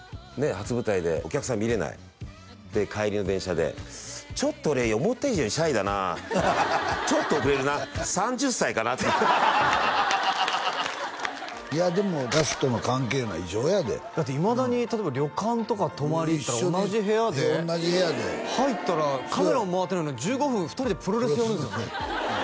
初舞台でお客さん見れないで帰りの電車でちょっと俺思った以上にシャイだなちょっと遅れるな３０歳かないやでもやすとの関係いうのは異常やでだっていまだに例えば旅館とか泊まりに行ったら同じ部屋で入ったらカメラも回ってないのに１５分２人でプロレスやるんですよね